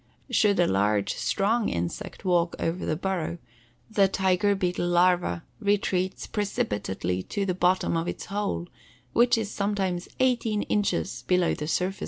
Should a large, strong insect walk over the burrow, the tiger beetle larva retreats precipitately to the bottom of its hole, which is sometimes eighteen inches below the surface of the ground.